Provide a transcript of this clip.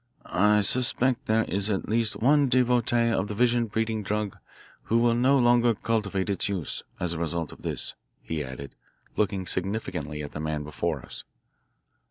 "I suspect there is at least one devotee of the vision breeding drug who will no longer cultivate its use, as a result of this," he added, looking significantly at the man before us.